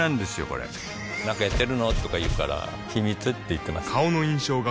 これなんかやってるの？とか言うから秘密って言ってます